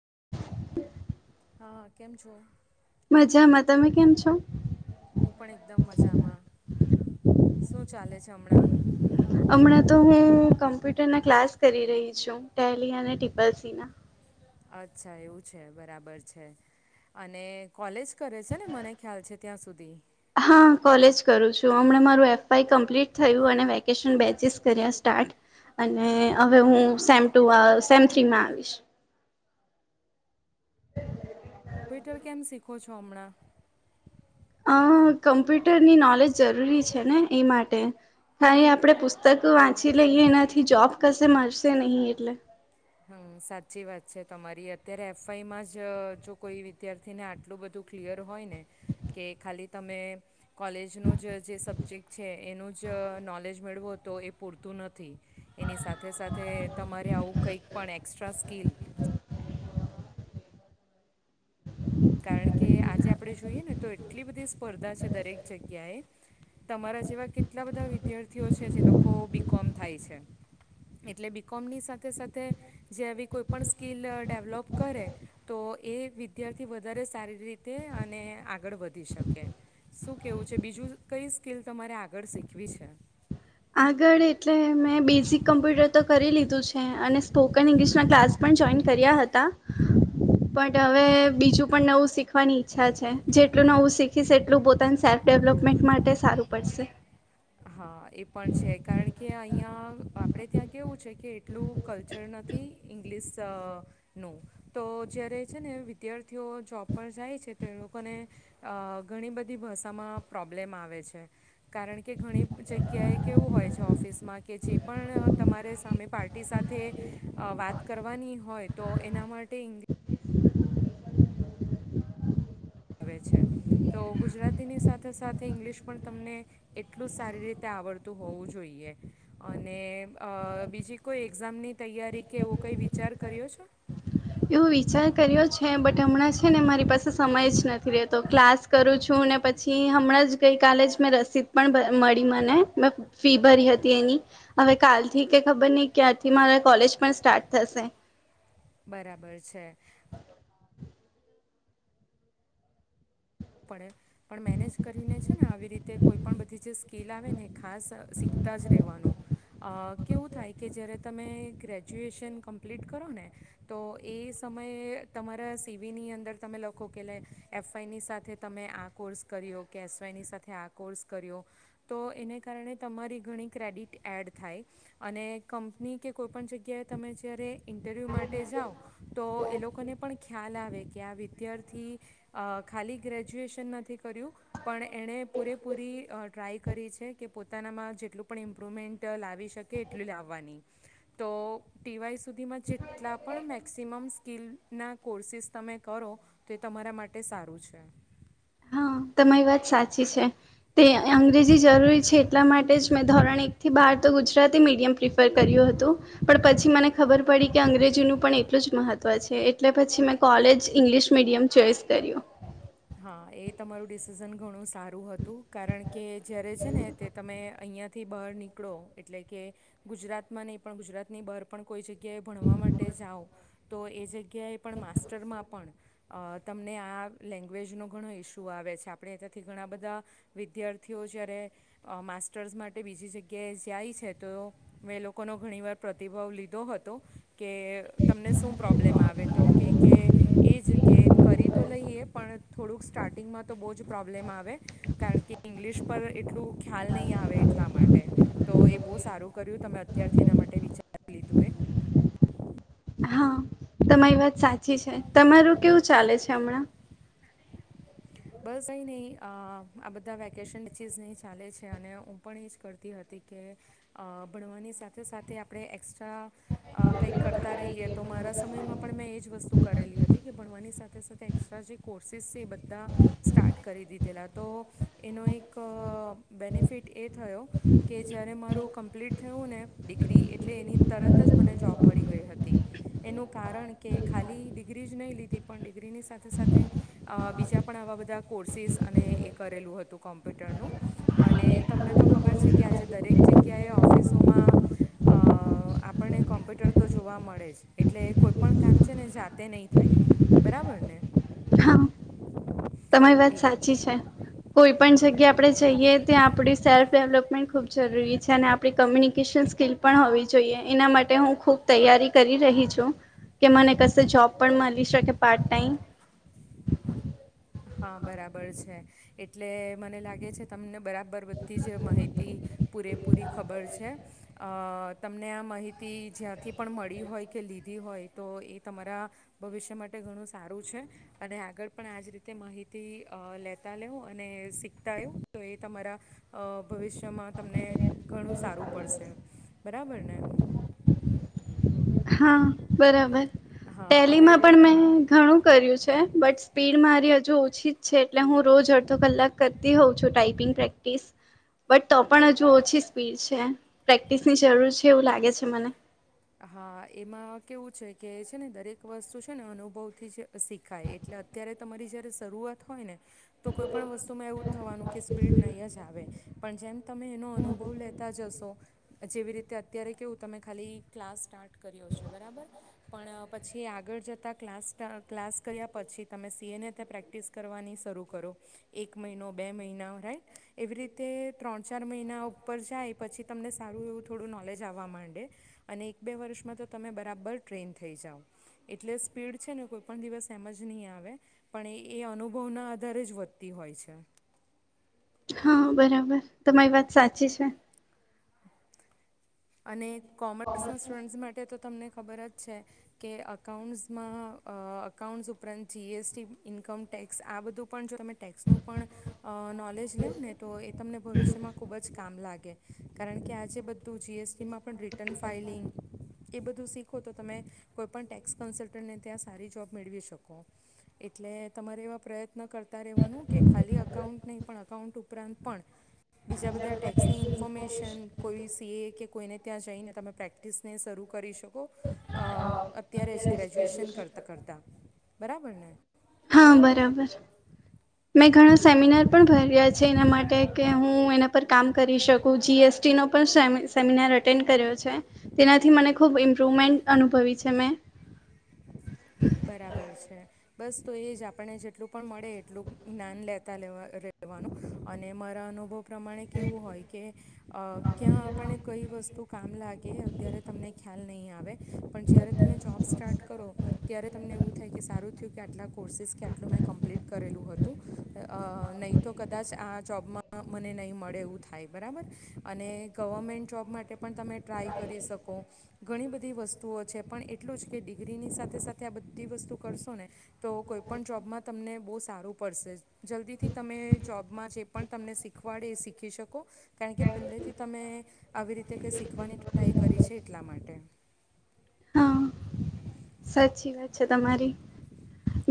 [inaudible] હા કેમ છો મજામાં તમે કેમ છો હું પણ એકદમ મજામાં શું ચાલે છે હમણાં હમણાં તો હું કમ્પ્યુટર ના ક્લાસ કરી રહી છું, ટેલી અને ટપલસી ના અચ્છા એવું છે, બરાબર છે અને કોલેજ કરે છે ને મને ખ્યાલ છે ત્યાં સુધી હા કોલેજ કરું છું, હમણાં મારું એફઆઈ કમ્પ્લીટ થયું અને વેકેશન બેચિસ કર્યા સ્ટાર્ટ અને હવે, હું સેમ ટુ સેમ થ્રીમાં આવીશ ટ્વિટર કેમ શીખો છો, હમણાં અ કમ્પ્યુટરની નોલેજ જરૂરી છે, ને એ માટે ખાલી આપણે પુસ્તકો વાંચી લઈએ એનાથી જોબ કશે મળશે નહીં એટલે હમ સાચી વાત છે, તમારી અત્યારે એફઆઈમાં જ જો કોઈ વિદ્યાર્થીને આટલું બધું ક્લિયર હોય, ને કે ખાલી તમે કોલેજનું જ જે સબ્જેક્ટ છે, એનું જ નોલેજ મેળવું તો એ પૂરતું નથી, એની સાથે સાથે તમારે આવું કઈક પણ એક્સ્ટ્રા સ્કીલ કારણ કે આજે આપડે જોઈએ ને તો એટલી બધી સ્પર્ધા છે, દરેક જગ્યાએ તમારા જેવા કેટલા બધા વિદ્યાર્થીઓ છે, જે લોકો બી કોમ થાય છે, એટલે બી કોમની સાથે સાથે જે આવી કોઈ પણ સ્કીિલ ડેવલોપ કરે, તો એ વિદ્યાર્થી થી વધારે સારી રીતે અને આગળ વધી શકે શું કેવું છે, બીજું કઈ સ્કીિલ તમારે આગળ શીખવી છે, આગળ એટલે બેસિક કમપ્યુટર તો કરી લીધું છે અને સ્પોકન ઇંગ્લિશના ક્લાસ પણ જોઈન કર્યા હતા, પણ હવે બીજું પણ નવું શીખવાની ઈચ્છા છે, જેટલું નવું શીખીશ એટલું પોતાની સેલ્ફ ડેવલપમેન્ટ માટે સારું પડશે હા એ પણ છે કારણ કે અહીંયા આપણે ત્યાં કેવું છે કે એટલું કલ્ચર નથી ઇંગ્લિશનું તો જ્યારે છે, ને વિદ્યાર્થીઓ જોબ પર જાય છે, તે લોકોને ઘણી બધી ભાષામાં પ્રોબ્લેમ આવે છે કારણ કે ઘણી જગ્યાએ કેવું હોય છે, ઓફિસમાં કે જે પણ તમારે સામે પાર્ટી સાથે અ વાત કરવાની હોય તો એના માટે ઇ આવે છે તો ગુજરાતીની સાથે સાથે ઇંગ્લિશ પણ તમને એટલું જ સારી રીતે આવડતું હોવું જોઈએ, અને બીજી કોઈ એક્ઝામની તૈયારી કેવો કંઈ વિચાર કર કર્યો છો? એવો વિચાર કર્યો છે બટ હમણાં છે, ને મારી પાસે સમય જ નથી રહેતો ક્લાસ કરું છું, ને પછી હમણાં જ ગઈ કલે જ મેં રસીદ પણ મળી મને મેં ફી ભરી હતી, એની હવે કાલથી કે ખબર નઈ ક્યારથી મારા કોલેજ પણ સ્ટાર્ટ થશે. બરાબર છે, પડે પણ મેનેજ કરીને છે, ને આવી રીતે કોઈ પણણ બધી જે સ્કીલ આવે ને ખાસ શીખતા જ રહેવાનું અ કેવું થાય કે જય્યારે તમે ગ્રેજ્યુએશન કમ્પ્લીટ કરો ને તો એ સમયે તમારા સીવીની અંદર તમે લખો કે લ એફઆઈની સાથે તમે આ કોર્સ કર્યો કે એસવાયની સાથે આ કોર્સ કર્યો તો એને કારણે તમારી ઘણી ક્રેડિટ એડ થાય અને કંપની કે કોઈપણ જગ્યાએ તમે જ્યારે ઇ ઇન્ટરવ્યુ માટે જાઓ તો એ લોકો ને પણ ખ્યાલ આવે કે આ વિદ્યાર્થી ખાલી ગ્રેજ્યુએશન નથી કર્યું પણ એણે પૂરેપૂરી આ ટ્રાય કરી છે કે પોતાનામાં જેટલું પણ ઇમ્પ્રુવમેન્ટ લાવી શકે એટલું લાવવાની તો ટીવાય સુધીમાં જેટલા પણ મેૅક્સિમમ સ્કીિલ ના કોર્સિસ તમે કરો તો તમારા માટે સારું છે હા તમારી વાત સાચી છે તે અંગ્રેજી જરૂરી છે એટલા માટે જ મેં ધોરણ એકથી બાર તો ગુજરાતી મીડિયમ પ્રિફર કર્યું હતું પણ પછી મને ખબર પડી કે અંગ્રેજીનું પણ એટલું જ મહત્ત્વ છે એટલે પછી મેં કોલેજ ઇંગ્લિશ મીડિયમ ચોઈસ કર્યો હા એ તમારું ડિસિઝન ઘણું સારું હતું કારણ કે જ્યારે છે ને તે તમે અહીંયા થી બહાર નીકળો એટલે કે ગુજરાતમાં નહીં પણ ગુજરાતની બહાર પણ કોઈ જગ્યા જગ્યાએ ભણવા માટે જાઓ તો એ જે ક્યાય પણ માસ્ટરમાં પણ અ તમને આ લે લેંગ્વેજનો ઘણો ઇસ્યુ આવે છે આપણે ત્યાંથી ઘણા બધા વિદ્યાર્થીઓ જ્યારે માસ્ટર્સ માટે બીજી જગ્યાએ જાય છે તો મેં લોકોનો ઘણીવાર પ્રતિભાવ લીધો હતો કે તમને શું પ્રોબ્લેમ આવે તો કે કે એ જ કે કરી તો લઈએ પણ થોડુંક સ્ટાર્ટિંગમાં તો બહુ જ પ્રોબ્લેમ આવે કારણ કે કે ઇંગ્લિશ પર એટલું ખ્યાલ નહીં આવે એટલા માટે તો એ બહુ સારું કર્યું તમે અત્યારથી એના માટે વિચારી લીધું એ હા તમારી વાત સાચી છે તમારું કેવું ચાલે છે હમણાં બસ અહીં નહીં આ બધા વેકેશન ચીઝ નહીં ચાલે છે અને હું પણ એ જ કરતી હતી કે અ ભણવાની સાથે સાથે આપણે એક્સ્ટ્રા કંઈક કરતા રહીએ તો મારા સમયમાં પણ મેં એ જ વસ્તુ કરેલી હતી કે ભણવાની સાથે સાથે એક્સ્ટ્રા જે કોટ સીસ્સે બધા સ્ટાર્ટ કરી દીધેલા તો એનો એક અ, બેનિફિટ એ થયો કે જ્યારે મારું કમ્પ્લીટ થયું ને ડિગ્રી એટલે એની તરત જ મને જોબ મળી ગઈ હતી એનું પંડીત ની સાથે સાથે બીજા પણ આવા બધા કોર્સિસ અને એ કરેલું હતું કોમ્પ્યુટરનું અને તમને તો ખબર છે કે આજે દરેક જગ્યાએ ઓફિસોમાં અ આપણને કોમ્પ્યુટર તો જોવા મળે જ એટલે કોઈપણ કામ છે ને જાતે નહીં થાય બરાબર ને હા. તમારી વાત એ સાચી છે કોઈ પણ જગ્યા આપણે જઈએ ત આપણી સેલ્ફ ડેવલપમેન્ટ ખૂબ જરૂરી છે અને આપણી કોમ્યુનિકેશન સ્કીિલ પણ હોવી જોઈએ એના માટે હું ખૂબ તૈયારી કરી રહી છું કે મને કશે જોબ પણ મળી શકે પાર્ટ ટાઈમ હા બરાબર છે એટલે મને લાગે છે તમને બરાબ બર બધી જ માહિતી પૂરેપૂરી ખબર છે આ તમને આ માહિતી જ્યાંથી પણ મળી હોય કે લીધી હોય તો એ તમારા ભવિષ્ય માટે ઘણું સારું છે અને આગળ પણ આ જ રીતે તે માહિતી આ લેતા લેઉ અને શીખતા આવ્યું તો એ તમારા આ ભવિષ્ય તમને ઘણું સારું પડશે બરાબર ને હા બરાબર હા હવે ટેલીમાં પણ મેં ઘણું કર્યું છે બટ સ્પીડ મારી ઓછી છે એટલે હું રોજ અડધો કલાક કરતી હોઉં છું ટાઈપિંગ પ્રેક્ટિસ બટ તો પણ હજુ ઓછી સ્પીડ છે પ્રેક્ટિસની જરૂર છે એવું લાગે છે મને હા એમાં કેવું છે કે છે ને દરેક વસ્તુ છે ને અનુભવથી જ શીખાય એટલે અત્યારે તમારી જયારે શરૂઆત હોય ને તો કોઈ પણ વસ્તુમાં એવું જ થવાનું કે સ્પીડ નહી જ આવે પણ જેમ તમે એનો અનુભવ લેતા જશો જેવી રીતે અત્યારે કેવું તમે ખાલી ક્લાસ સ્ટાર્ટ કર્યો છે બરાબર પણ પછી આગળ જતા ક્લાસ સ્ટા ક્લાસ કર્યા પછી તમે સીએને તે પ્રેક્ટિસ કરવાની શરૂ કરો એક મહિનો બે મહિના રાઈટ એવી રીતે ત્રણ ચાર મહિના ઉપર જાય પછી તમને સારું એવું થોડું નોલેજ આવવા માંડે અને એક બે વર્ષમાં તો તમે બરાબર ટ્રેન થઈ જાઓ એટલે સ્પીડ છે ને કોઈ પણ દિવસ એમ જ નહીં આવે પણ એ એ અનુભવના આધારે જ વધ તી હોય છે ર તમારી વાત સાચી છે અને કોમર્સ ના સ્ટુડન્ટ માટે તો તમને ખબર જ છે કે અકાઉન્ટ્સમાં આ અકાઉન્ટ્સ ઉપરાંત જીએસટી ઇન્કમ ટેક્સ આ બધું પણ જો એમે ટેક્સનું પણ આ નોલેજ લેવં ને તો એ તમને ભવિષ્યમાં ખૂબ જ કામ લાગે કારણ કે આજે બધું જીએસટી જેમાં પણ રિટર્ન ફાઇલિંગ એ બધું શીખો તો તમે કોઈ પણ ટેક્સ કન્સલ્ટન્ટને ત્યાં સારી જોબ મેળવી શકો એટલે તમારે એવા પ્રયત્ન કરતાં રહેવાનું કે ખાલી અકાઉન્ટ નહીં પણ અકાઉન્ટ ઉપરાંત પણ બીજા બધા ટેક્સની ઇન્ફોર્મેશન કોઈ સીએ કે કોઈને ત્યાં જઈને તમે પ્રેક્ટિસને શરૂ કરી શકો અ અત્યારે જ ગ્રેજ્યુએશન કરતા કરતા બરાબર ને હા બરાબર. મેં ઘણા સેમિનાર પણ ભર્યા છે એના માટે કે હું એના પર કામ કરી શકું જીએસટીનો પણ સેમી સેમિનાર એટેન્ડ કર્યો છે તેનાથી મને ખૂબ ઇમ્પ્રુવમેન્ટ અનુભવી છે મેં બરાબર છે બસ તો એ જ આપણને જેટલું પણ મળે એટલું જ્ઞાન લેતા લેવા લેવાનું અને મારા અનુભવ પ્રમાણે કેવું હોય કે અ ક્યાં આપણે કઈ વસ્તુ કામ લાગે અત્યારે તમને ખ્યાલ નહી આવે પણ જ્યારે તમે જોબ સ્ટાર્ટ કરો ત્યારે તમને એવું થાય કે સારું થયું કે આટલા કોર્સિસ કે આટલું મેં કમ્પ્લીટ કરેલું હતું અ નહીં તો કદાચ આ જોબમાં મને નહીં મળે એવું થાય બરાબર અને ગવર્મેન્ટ જોબ માટે પણ તમે ટ્રાય કરી શકો ઘણી બધી વસ્તુઓ છે પણ એટલું જ કે ડિગ્રીની સાથે સાથે ત આ બધી વસ્તુ કરશો ને તો કોઈપણ જોબમાં તમને બહુ સારું પડશે જલ્દીથી તમે જોબમાં જે પણ તમને શીખવાડે એ શીખી શકો કારણ કે પહેથી તમે આવી રીતે શીખવાની ટ્રાય કરી છે એટલા માટે હા. સાચી વાત છે તમારી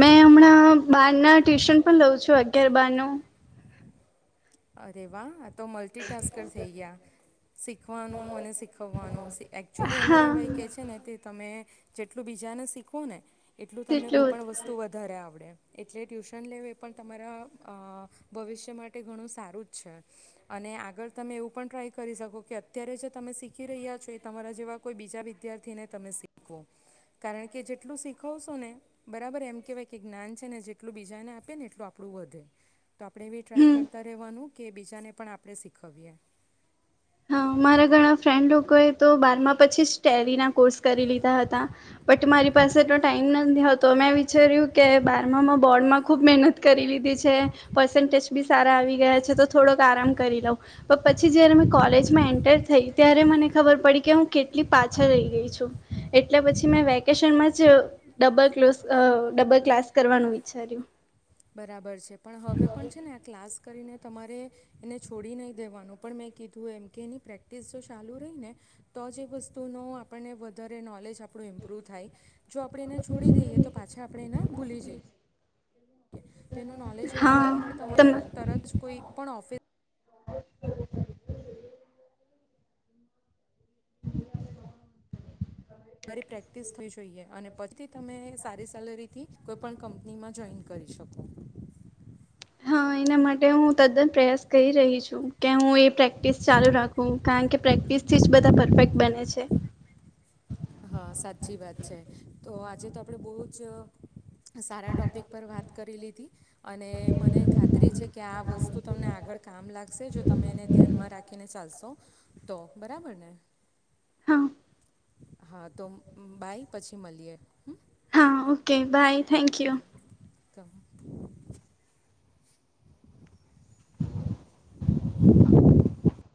મેં હા હમણાં બાર ના ટ્યુશન પણ લઉં છું અગયાર બાર નું અરેે વા તો મલ્ટિટાસ્કર થઈ ગયા. શીખવાનું અને શીખવવાનું, એકચુલી એમ હા કહેવાય કે છે ને તે તમે જેટલું બીજાને શીખવો ને, એટલું તમને તેટલું કોઈપણ વસ્તુ વધારે આવડે. એટલે ટ્યુશન લેવ એ પણ તમારા ભવિષ્ય માટે ઘણું સારુ સારું જ છે, અને આગળ તમે એવું પણ ટ્રાય કરી શકો કે, અત્યારે જે તમે શીખી રહ્યા છો એ તમારા જેવા કોઈ બીજા વિદ્યાર્થીને તમે શીખવો, કારણ કે જેટલું શીખવશો ને બરાબર એમ કહેવાય કે જ્ઞાન છે ને જેટલું બીજાને આપે ને એટલું આપણું વધે. તો આપણે બી ટ્રાય હમ. કરતા રહેવાનું કે, બીજાને પણ આપ આપણે સીખવીયે હા મારા ઘણા ફ્રેન્ડ લોકોએ તો બારમા પછી જ ટેરીના કોર્સ કરી લીધા હતા. બટ મારી પાસે એટલો ટાઈમ નથી તો મેં વિચાર્યું કે બારમા મે બોર્ડમાં ખૂબ મહેનત કરી લીધી છે. પર્સન્ટેજ બી સારા આવી ગયા છે. તો થોડોક આરામ કરી લઉં, પણ પછી જય્યારે મેં કોલેજમાં એન્ટર થઈ ત્યારે, મને ખબર પડી કે હું કેટલી પાછળ રહી ગઈ છું. એટલે પછી મેં વેકેશનમાં જ ડબલ ક્લસ ડબલ ક્લાસ કરવાનું વિચાર્યું. બરાબર છે પણ હવે પણ છે ને આ ક્લાસ કરીને તમારે એને છોડી નહીં દેવાનું, પણ મેં કીધું એમ કે એની પ્રેક્ટિસ જો ચાલુ રહી ને, તો જે એ વસ્તુનો આપણને વધારે નોલેજ આપણું ઇમ્પ્રૂવ થાય. જો આપણે એને છોડી દઈએ, તો પાછા આપણે એને ભૂલી જઈએ. તેનું નોલેજ વધારવા માટે તમે તરત કોઈ પણ ઓફિસ તમારી પ્રેક્ટિસ થઈ જોઈએ. અને પછી તમે સારી સેલેરી થી કોઈ પણ કંપનીમાં જોઈન કરી શકો. હા એના માટે હું તદ્દન પ્રયાસ કરી રહી છું. કે હું એ પ્રેક્ટિસ ચાલુ રાખું. હં કારણ કે પ્રેક્ટિસથી જ બધા પરફેક્ટ બને છે. હા સાચી વાત છે. તો આજે તો આપણેે બહ જ સારા ટોપિક પર વાત કરી લીધી. અને મને ખાતરી છે કે આ વસ્તુ તમને આગળ કામ લાગશે, જો તમે એને ધ્યાનમાં રાખીને ચાલશો. તો બરાબર ને! હા! હા તો બાઈ પછી મળીએ. હા okay bye. Thank you come [inaudible] [inaudible]